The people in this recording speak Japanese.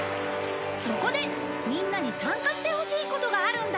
そこでみんなに参加してほしいことがあるんだ！